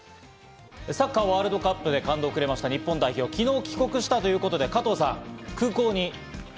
サッカーワールドカップで感動をくれました日本代表が、昨日帰国したということで、加藤さん、空港に。